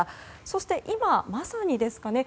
そして今まさにですかね